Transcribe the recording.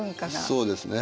そうですね。